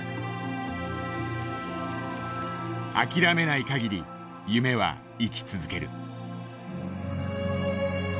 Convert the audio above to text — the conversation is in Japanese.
「諦めない限り夢は生き続ける」。